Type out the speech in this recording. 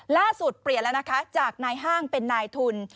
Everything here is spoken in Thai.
เปลี่ยนแล้วนะคะจากนายห้างเป็นนายทุน